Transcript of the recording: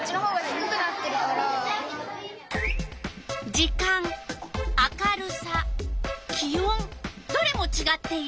時間明るさ気温どれもちがっている。